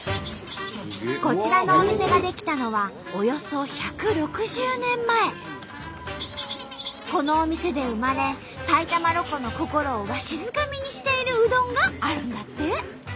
こちらのお店が出来たのはおよそこのお店で生まれ埼玉ロコの心をわしづかみにしているうどんがあるんだって。